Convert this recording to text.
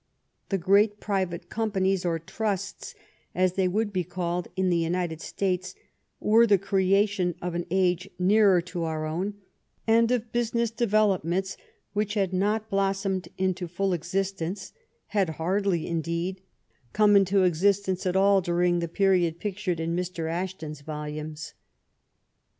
The great private companies, or trusts, as they would be called in the United States, were the creation of an age nearer to our own and of business developments which had not blossomed into full existence, had hardly, indeed, come into existence 186 "THE TRIVIAL ROUND— THE COMMON TASK'* at all during the period pictured in Mr. Ashton's volumes.